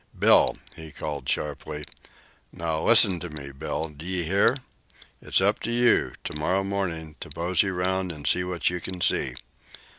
"Bill!" he called sharply. "Now, listen to me, Bill; d'ye hear! It's up to you, to morrow mornin', to mosey round an' see what you can see.